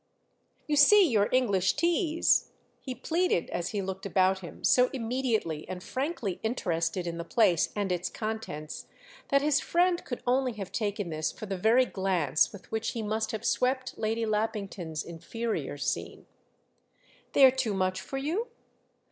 "You see your English teas—!" he pleaded as he looked about him, so immediately and frankly interested in the place and its contents that his friend could only have taken this for the very glance with which he must have swept Lady Lappington's inferior scene. "They're too much for you?"